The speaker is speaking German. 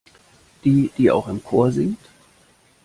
Die, die auch im Chor singt.